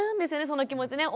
その気持ちね。